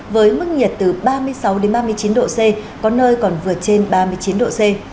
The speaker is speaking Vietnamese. với mức nhiệt từ ba mươi sáu ba mươi chín độ c có nơi còn vượt trên ba mươi chín độ c